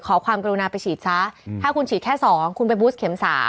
ขอความกรุณาไปฉีดซะถ้าคุณฉีดแค่๒คุณไปบูสเข็ม๓